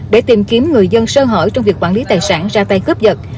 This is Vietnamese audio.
để tìm kiếm người dân sơ hở trong việc quản lý tài sản ra tay cướp giật